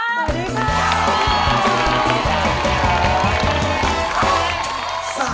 สวัสดีครับ